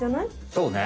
そうね！